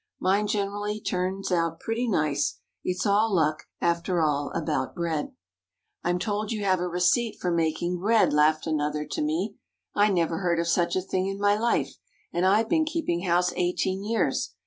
Mine generally turns out pretty nice. It's all luck, after all, about bread." "I'm told you have a receipt for making bread," laughed another to me; "I never heard of such a thing in my life, and I've been keeping house eighteen years.